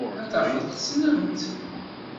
Ad tafeḍ tessnem-tt.